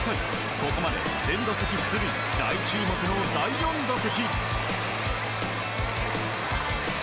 ここまで全打席出塁大注目の第４打席。